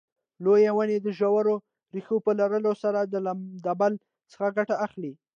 لویې ونې د ژورو ریښو په لرلو سره د لمدبل څخه ګټه اخلي.